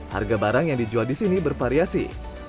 harga barang yang dijual di sini bervariasi